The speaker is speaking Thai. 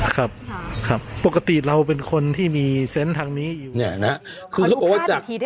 ครับครับปกติเราเป็นคนที่มีเซ็นต์ทางนี้อยู่เนี่ยนะ